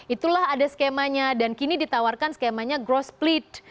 itulah ada skemanya dan kini ditawarkan skemanya growth split